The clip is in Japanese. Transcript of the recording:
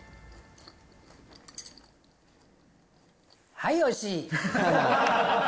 はい、おいしい。